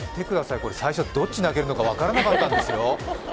最初、どっち投げるか分からなかったんですよ。